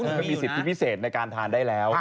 มันก็มีสิทธิพิเศษในการทานได้แล้ว